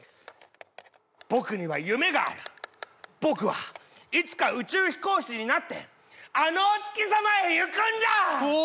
僕には夢がある僕はいつか宇宙飛行士になってあのお月様へ行くんだお